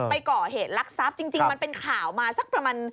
ไปก่อเหตุลักษัพจริงมันเป็นข่าวมาสักประมาณ